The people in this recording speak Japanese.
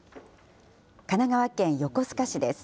神奈川県横須賀市です。